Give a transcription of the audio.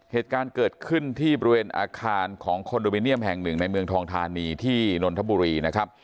เหตุการณ์เกิดขึ้นที่บริเวณอาคารของคอนโดมิเนียมแห่งหนึ่งในเมืองทองธานีที่นนทบุรีนะครับ